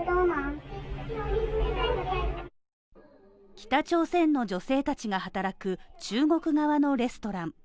北朝鮮の女性たちが働く中国側のレストラン。